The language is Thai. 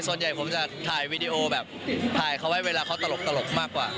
ส่วนใหญ่ผมจะถ่ายวีดีโอแบบถ่ายเขาไว้เวลาเขาตลกมากกว่า